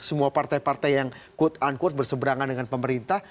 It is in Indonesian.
semua partai partai yang quote unquote berseberangan dengan pemerintah